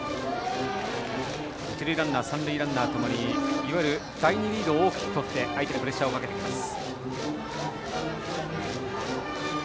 一塁ランナー三塁ランナーともにいわゆる第２リードを大きくとって相手にプレッシャーをかけてきます。